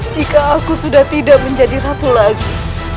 jika aku sudah tidak menjadi ratu lagi